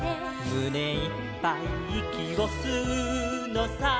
「むねいっぱいいきをすうのさ」